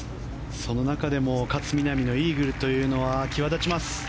その中でも勝みなみのイーグルというのは際立ちます。